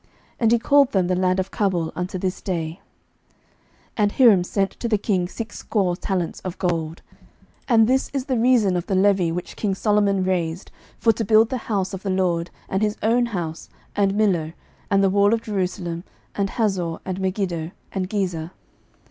And he called them the land of Cabul unto this day. 11:009:014 And Hiram sent to the king sixscore talents of gold. 11:009:015 And this is the reason of the levy which king Solomon raised; for to build the house of the LORD, and his own house, and Millo, and the wall of Jerusalem, and Hazor, and Megiddo, and Gezer.